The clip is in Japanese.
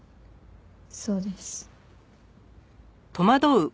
そうです。